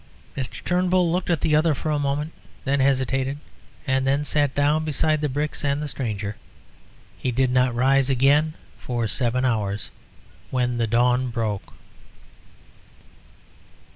Mr. Turnbull looked at the other for a moment, then hesitated, and then sat down beside the bricks and the stranger. He did not rise again for seven hours, when the dawn broke.